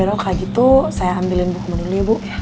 yaudah kalau gitu saya ambilin bu kemudi dulu ya bu